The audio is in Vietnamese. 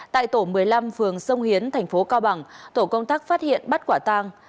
tại tổ một mươi năm phường sông hiến tp cao bằng tổ công tác phát hiện bắt quả tàng